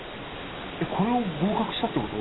これを合格したってこと？